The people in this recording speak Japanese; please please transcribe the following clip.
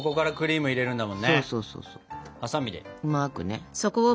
うまくね。